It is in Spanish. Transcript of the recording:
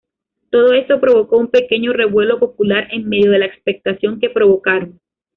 Todo esto provocó un pequeño revuelo popular en medio de la expectación que provocaron.